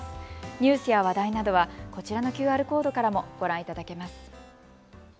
ニュースや話題などはこちらのＱＲコードからもご覧いただけます。